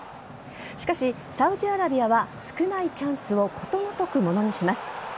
しかしサウジアラビアは少ないチャンスをことごとく、物にします。